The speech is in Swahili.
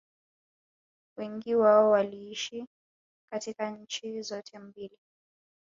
Wengi wao waliishi katika nchi zote mbili